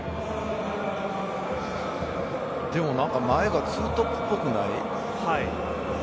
でも、前が２トップっぽくない？